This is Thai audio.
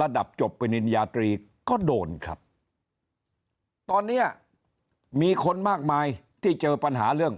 ระดับจบปริญญาตรีก็โดนครับตอนเนี้ยมีคนมากมายที่เจอปัญหาเรื่อง